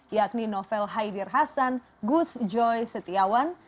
yakni novel haidir hasan gus joy setiawan